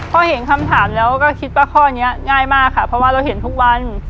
พอเห็นคำถามแล้วก็คิดว่าข้อนี้ง่ายมากค่ะเพราะว่าเราเห็นทุกวัน